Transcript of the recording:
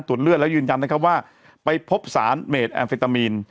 เลือดแล้วยืนยันนะครับว่าไปพบสารเมดแอมเฟตามีน